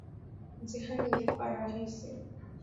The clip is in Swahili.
Mtihani ulikuwa rahisi